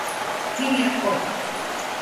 Hingje op.